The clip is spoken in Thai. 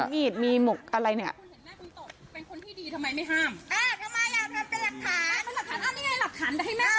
นั่นมีวีดมีหมวกอะไรอย่างนี้